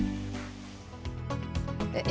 indonesia yang tergabung dalam negara indonesia